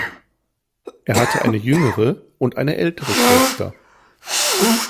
Er hatte eine jüngere und eine ältere Schwester.